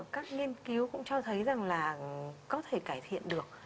các nghiên cứu cũng cho thấy rằng là có thể cải thiện được